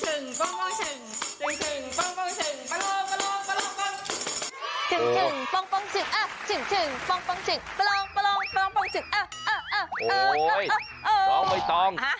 เอามาต้อง